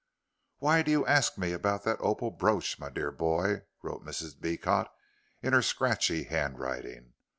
"Why do you ask me about the opal brooch, my dear boy?" wrote Mrs. Beecot in her scratchy handwriting.